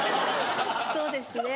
そうですね。